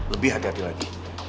lebih hati hati lagi